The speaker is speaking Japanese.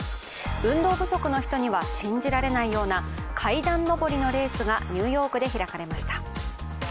運動不足の人には信じられないような階段上りのレースがニューヨークで開かれました。